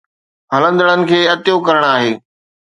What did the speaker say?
ھلندڙن کي عطيو ڪرڻ آھي